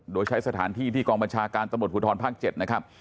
โดยใช้สถานที่ที่กองบัญชาการตำรวจภูทรภาค๗นะครับ